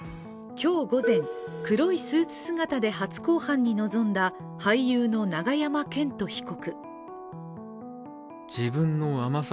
今日午前、黒いスーツ姿で初公判に臨んだ俳優の永山絢斗被告。